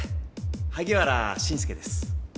萩原慎介です。